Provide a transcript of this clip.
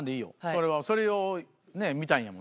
これはそれをね見たいんやもんね。